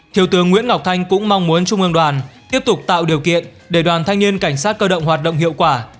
thiếu tướng nguyễn ngọc thanh cũng mong muốn trung ương đoàn tiếp tục tạo điều kiện để đoàn thanh niên cảnh sát cơ động hoạt động hiệu quả